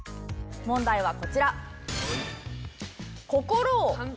問題はこちら。